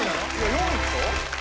４位でしょ？